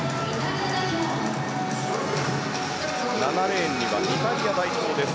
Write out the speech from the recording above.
７レーンにはイタリア代表です